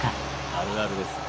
あるあるですね。